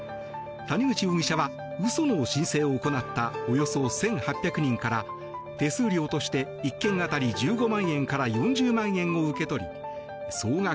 谷口容疑者は嘘の申請を行ったおよそ１８００人から手数料として１件当たり１５万円から４０万円を受け取り総額